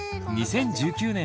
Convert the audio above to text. ２０１９年